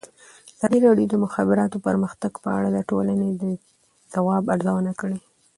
ازادي راډیو د د مخابراتو پرمختګ په اړه د ټولنې د ځواب ارزونه کړې.